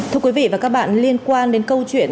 thưa quý vị và các bạn liên quan đến câu chuyện